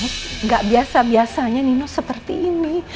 tuh nggak biasa biasanya nino seperti ini